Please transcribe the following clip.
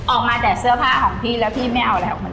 ออกมาแต่เสื้อผ้าของพี่แล้วพี่ไม่เอาอะไรออกมาเลย